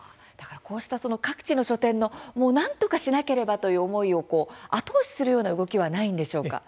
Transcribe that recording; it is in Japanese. こうした各地の書店の何とかしなければ、という思いを後押しするような動きはないんでしょうか。